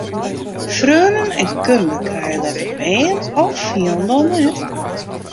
Freonen en kunde krije letter bern of hielendal net.